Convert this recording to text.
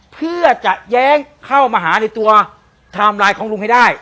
เพื่อจะแย้งเข้ามาหาในตัวไทม์ไลน์ของลุงให้ได้